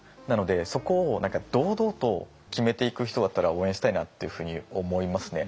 そこを堂々と決めていく人だったら応援したいなっていうふうに思いますね。